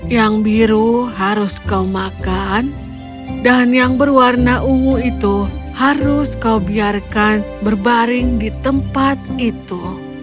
yang biru harus kau makan dan yang berwarna ungu itu harus kau biarkan berbaring di tempat itu